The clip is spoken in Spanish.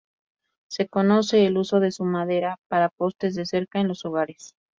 Se conoce el uso de su madera para postes de cerca en los hogares.